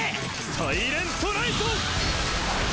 サイレント・ナイト！